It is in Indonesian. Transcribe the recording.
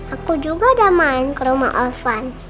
aku juga udah main ke rumah afan